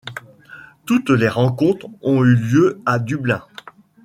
Toutes les rencontres ont eu lieu à Dublin.